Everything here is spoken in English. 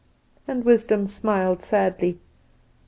"And Wisdom smiled sadly.